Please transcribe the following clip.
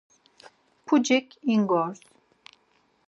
Pucik inǩors.